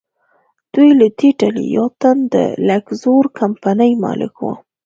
دوی له دې ډلې یو تن د لکزور کمپنۍ مالک و.